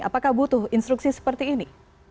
apakah butuh instruksi seperti ini